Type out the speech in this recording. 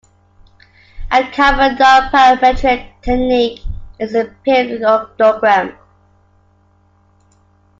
A common non-parametric technique is the periodogram.